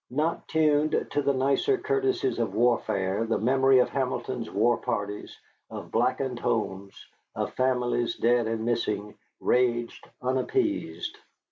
Not tuned to the nicer courtesies of warfare, the memory of Hamilton's war parties, of blackened homes, of families dead and missing, raged unappeased.